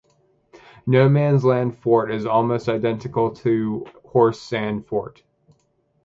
No Man's Land Fort is almost identical to Horse Sand Fort.